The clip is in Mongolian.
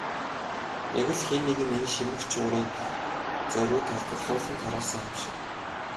Яг л хэн нэг нь энэ шимэгч урыг зориуд халдварлуулан тараасан юм шиг.